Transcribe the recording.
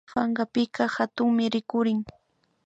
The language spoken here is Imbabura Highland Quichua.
Pankapika hatunmi rikurin